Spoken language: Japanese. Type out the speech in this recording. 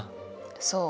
そう。